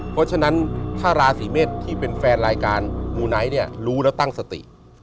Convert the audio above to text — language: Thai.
เพราะฉะนั้นถ้าราศีเมษที่เป็นแฟนรายการมูไนท์เนี่ยรู้แล้วตั้งสติ